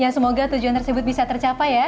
semoga tujuan tersebut bisa tercapai ya